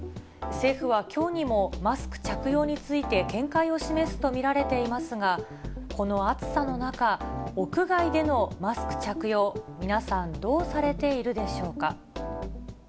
政府はきょうにも、マスク着用について、見解を示すと見られていますが、この暑さの中、屋外でのマスク着用、皆さん、どうされているでしょうか。